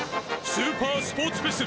スーパースポーツフェス